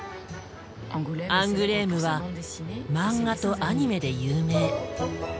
アングレームはマンガとアニメで有名。